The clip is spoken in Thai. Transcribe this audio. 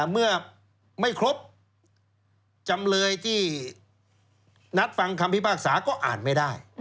เมื่อไม่ครบจำเลยที่นัดฟังคำพิพากษาก็อ่านไม่ได้